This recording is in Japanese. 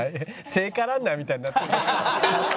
聖火ランナーみたいになってる。